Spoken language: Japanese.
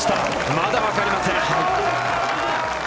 まだわかりません。